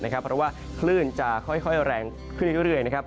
เพราะว่าคลื่นจะค่อยแรงขึ้นเรื่อยนะครับ